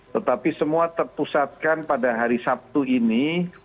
tetapi semua terpusatkan pada hari sabtu ini